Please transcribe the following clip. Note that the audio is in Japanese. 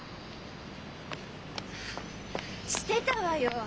してたわよ！